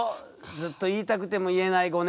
ずっと言いたくても言えない５年。